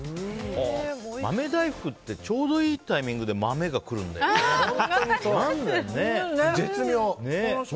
豆大福ってちょうどいいタイミングで絶妙！